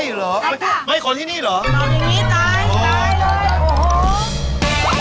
ไม่ของที่นี่หรือ